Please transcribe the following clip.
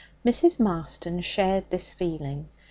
Mrs. Marston shared this feeling.